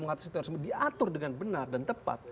mengatasi terorisme diatur dengan benar dan tepat